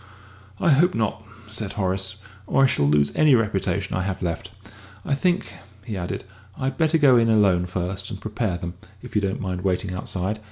"I hope not," said Horace, "or I shall lose any reputation I have left. I think," he added, "I'd better go in alone first and prepare them, if you don't mind waiting outside.